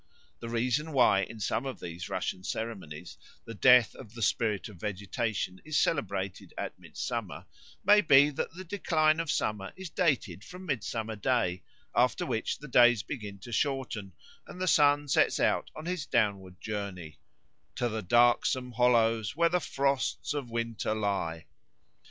The reason why in some of these Russian ceremonies the death of the spirit of vegetation is celebrated at midsummer may be that the decline of summer is dated from Midsummer Day, after which the days begin to shorten, and the sun sets out on his downward journey: "To the darksome hollows Where the frosts of winter lie."